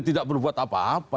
tidak berbuat apa apa